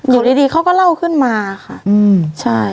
อยู่ดีเขาก็เล่าขึ้นมาค่ะใช่